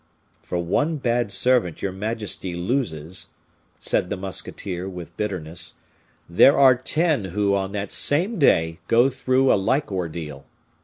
"For one bad servant your majesty loses," said the musketeer, with bitterness, "there are ten who, on that same day, go through a like ordeal.